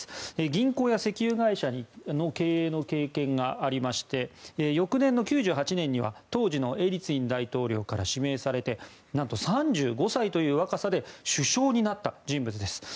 銀行や石油会社の経営の経験がありまして翌年の９８年には当時のエリツィン大統領から指名されてなんと３５歳という若さで首相になった人物です。